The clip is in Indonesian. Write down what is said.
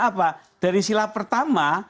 apa dari sila pertama